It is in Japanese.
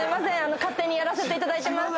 勝手にやらせていただいてます。